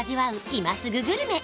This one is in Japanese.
今すぐグルメ！！